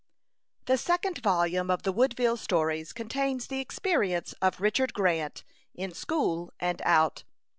The second volume of the Woodville Stories contains the experience of Richard Grant, "in school and out."